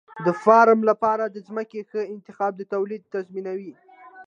د فارم لپاره د ځمکې ښه انتخاب د تولید تضمینوي.